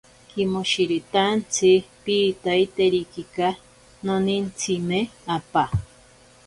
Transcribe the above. Kimoshiritantsi piitaiterikika, nonintsime apaa.